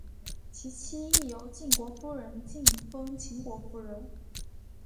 其妻亦由晋国夫人进封秦国夫人。